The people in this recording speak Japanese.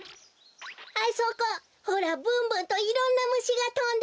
あそこほらブンブンといろんなむしがとんでるわべ。